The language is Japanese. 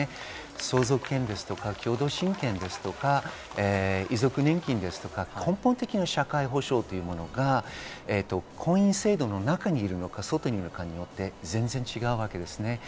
相続権とか共同親権とか遺族年金とか、根本的な社会保障というものが婚姻制度の中にいるのか外にいるかで全然違うわけです。